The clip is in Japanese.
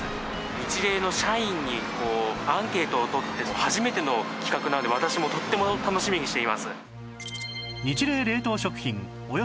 ニチレイの社員にアンケートを取って初めての企画なので私もとても楽しみにしています。